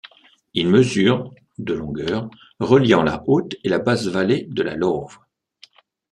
Il mesure de longueur, reliant la haute et la basse vallée de la Lowe.